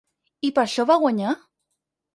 I per això va guanyar?